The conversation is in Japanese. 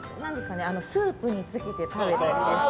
スープにつけて食べたりですとか。